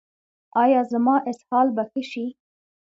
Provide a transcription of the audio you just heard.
ایا زما اسهال به ښه شي؟